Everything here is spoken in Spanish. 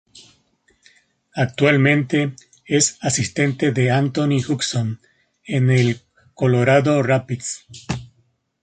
Actualmente es asistente de Anthony Hudson en el Colorado Rapids.